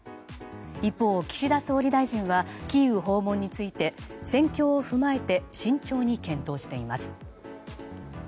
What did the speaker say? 一方、岸田総理大臣はキーウ訪問について戦況を踏まえて慎重に検討しています。